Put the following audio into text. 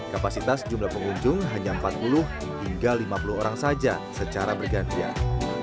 kapasitas jumlah pengunjung hanya empat puluh hingga lima puluh orang saja secara bergantian